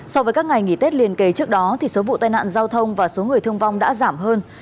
so với các ngày nghỉ tết liền kề trước đó số vụ tai nạn giao thông và số người thương vong đã giảm hơn